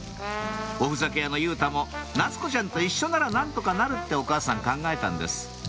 おふざけ屋の佑太も夏子ちゃんと一緒なら何とかなるってお母さん考えたんです